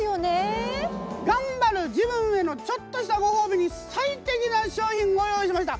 がんばる自分へのちょっとしたご褒美に最適な商品ご用意しました。